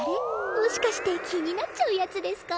もしかして気になっちゃうやつですか？